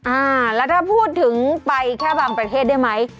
อ่าแล้วถ้าพูดถึงไปแค่บางประเทศได้ไหม